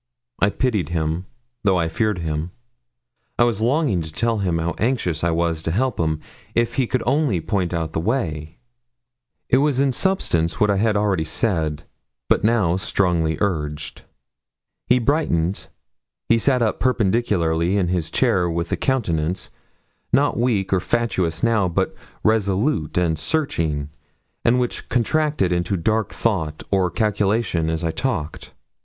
I pitied him, though I feared him. I was longing to tell him how anxious I was to help him, if only he could point out the way. It was in substance what I had already said, but now strongly urged. He brightened; he sat up perpendicularly in his chair with a countenance, not weak or fatuous now, but resolute and searching, and which contracted into dark thought or calculation as I talked.